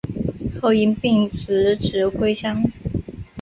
后因病辞职归乡。